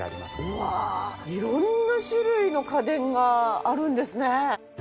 うわ色んな種類の家電があるんですね。